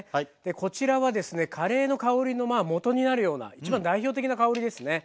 こちらはですねカレーの香りのもとになるような一番代表的な香りですね。